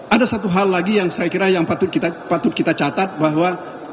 ada satu hal lagi yang saya kira yang patut kita catat bahwa